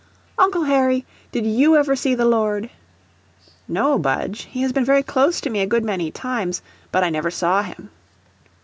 "Uncle Harry, did you ever see the Lord?" "No, Budge; he has been very close to me a good many times, but I never saw him."